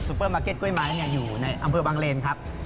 ซุเฟอร์มาเก็ตเก้าไม้อยู่ในอนเภอบางเล่นครับ